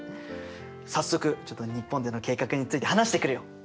早速ちょっと日本での計画について話してくるよ。